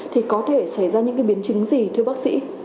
thì có thể xảy ra những biến chứng gì thưa bác sĩ